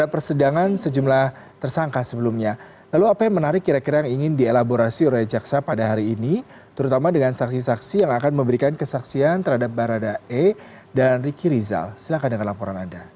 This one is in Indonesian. pembunuhan berkataan yang telah dikelar